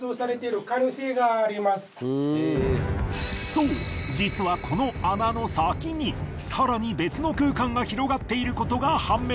そう実はこの穴の先に更に別の空間が広がっていることが判明。